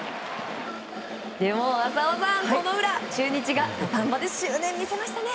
でも浅尾さん、その裏、中日が土壇場で執念を見せましたね。